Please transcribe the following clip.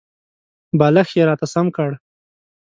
بالښت یې راته سم کړ .